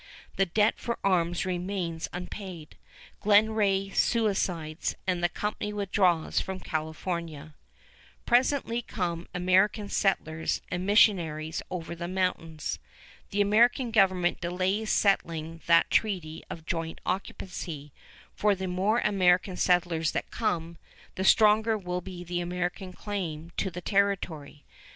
The debt for the arms remains unpaid. Glen Rae suicides, and the company withdraws from California. [Illustration: JOHN MCLOUGHLIN] Presently come American settlers and missionaries over the mountains. The American government delays settling that treaty of joint occupancy, for the more American settlers that come, the stronger will be the American claim to the territory.